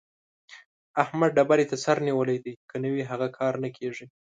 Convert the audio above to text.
احمد ډبرې ته سر نيولی دی؛ که نه وي هغه کار نه کېږي.